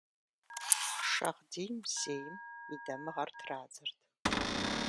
Шагъдийм зейм и дамыгъэр традзэрт.